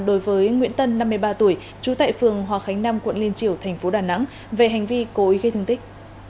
đối với nguyễn tân năm mươi ba tuổi trú tại phường hòa khánh nam quận liên triều thành phố đà nẵng về hành vi cố ý gây thương tích